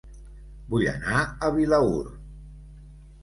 Vull anar a Vilaür